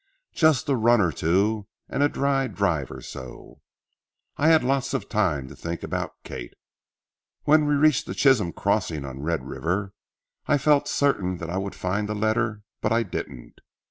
Just a run or two and a dry drive or so. I had lots of time to think about Kate. When we reached the Chisholm crossing on Red River, I felt certain that I would find a letter, but I didn't.